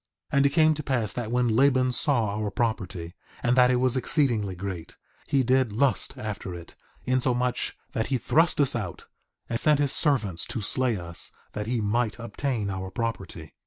3:25 And it came to pass that when Laban saw our property, and that it was exceedingly great, he did lust after it, insomuch that he thrust us out, and sent his servants to slay us, that he might obtain our property.